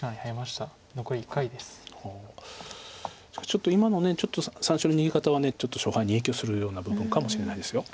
ちょっと今の３子の逃げ方はちょっと勝敗に影響するような部分かもしれないです。